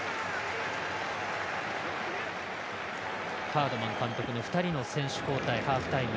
ハードマン監督の２人の選手交代ハーフタイム。